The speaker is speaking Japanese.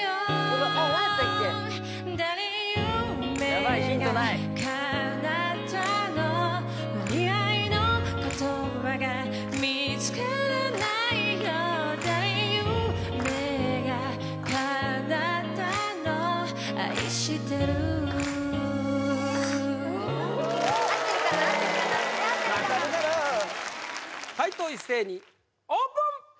ヤバい解答一斉にオープン！